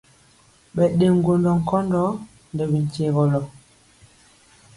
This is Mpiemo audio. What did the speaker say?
Ɓɛ ɗe ŋgondɔ nkɔndɔ nɛ binkyegɔlɔ.